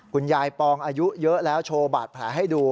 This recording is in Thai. ปองอายุเยอะแล้วโชว์บาดแผลให้ดู